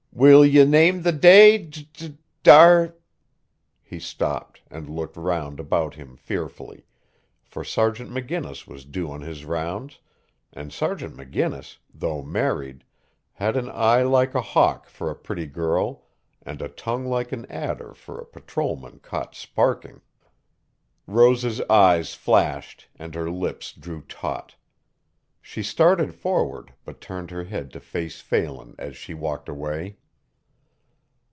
"Will ye name the day, d d d ar" He stopped and looked round about him fearfully, for Sergeant McGinnis was due on his rounds and Sergeant McGinnis, though married, had an eye like a hawk for a pretty girl and a tongue like an adder for a patrolman caught sparking. Rose's eyes flashed and her lips drew taut. She started forward, but turned her head to face Phelan as she walked away.